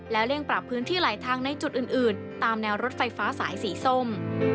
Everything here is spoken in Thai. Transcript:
เลี่ยงปรับพื้นที่ไหลทางในจุดอื่นตามแนวรถไฟฟ้าสายสีส้ม